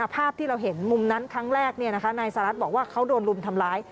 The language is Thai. ภาพที่เราเห็นมุมนั้นครั้งแรกนายสหรัฐบอกว่าเขาโดนรุมทำร้าย